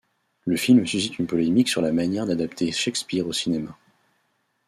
Le film suscite une polémique sur la manière d'adapter Shakespeare au cinéma.